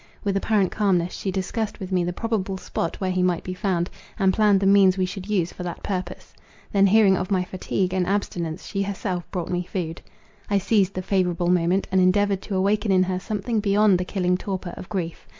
With apparent calmness she discussed with me the probable spot where he might be found, and planned the means we should use for that purpose. Then hearing of my fatigue and abstinence, she herself brought me food. I seized the favourable moment, and endeavoured to awaken in her something beyond the killing torpor of grief.